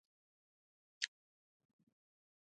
افغانستان د واوره د پلوه ځانته ځانګړتیا لري.